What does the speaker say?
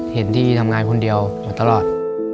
เห็นที่ทำงานคนเดียวอยู่ตลอด